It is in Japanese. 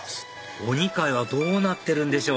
お２階はどうなってるんでしょう？